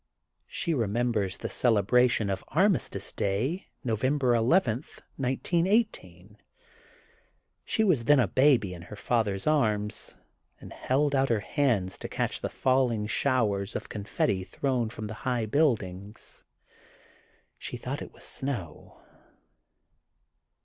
She re members the celebration of Armistice Day, November 11, 1918. She was then a baby in her father *s arms, and held out her hands to catch the falling showers of confetti thrown from the high buildings. She thought it was snow.